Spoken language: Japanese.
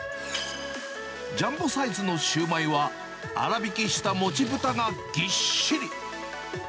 ジャンボサイズのシューマイは、あらびきしたもちぶたがぎっしり。